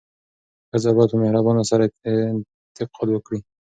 ښځه باید په مهربانۍ سره انتقاد وکړي.